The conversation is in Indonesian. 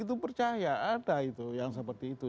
itu percaya ada itu yang seperti itu